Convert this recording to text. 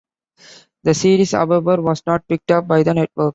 The series, however, was not picked up by the network.